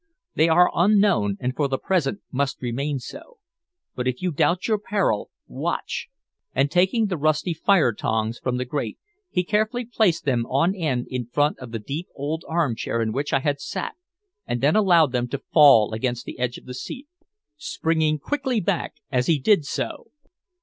"They are unknown, and for the present must remain so. But if you doubt your peril, watch " and taking the rusty fire tongs from the grate he carefully placed them on end in front of the deep old armchair in which I had sat, and then allowed them to fall against the edge of the seat, springing quickly back as he did so.